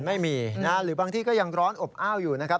ไม่มีนะฮะหรือบางที่ก็ยังร้อนอบอ้าวอยู่นะครับ